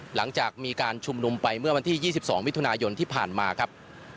หลังจากมีการชุมนุมไปเมื่อวันที่๒๒มิถุนายนที่ผ่านมาครับ